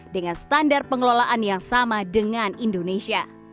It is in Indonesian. dengan standar pengelolaan yang sama dengan indonesia